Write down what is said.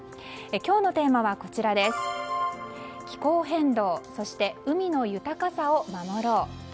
今日のテーマは「気候変動」、そして「海の豊かさを守ろう」。